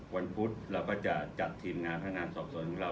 พุธเราก็จะจัดทีมงานพนักงานสอบส่วนของเรา